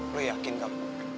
lo yakin gak